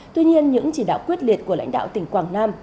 tuy nhiên những chỉ đạo quyết liệt của lãnh đạo tỉnh quảng nam